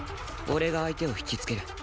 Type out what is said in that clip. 俺が相手を引きつける。